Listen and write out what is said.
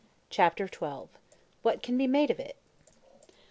Chapter XII. What Can Be Made Of It?